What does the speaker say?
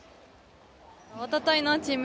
おとといのチーム